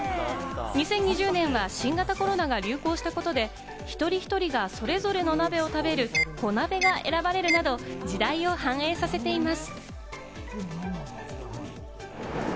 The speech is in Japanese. ２０２０年は新型コロナが流行したことで、一人一人がそれぞれの鍋を食べる、こなべが選ばれるなど、時代を反映させています。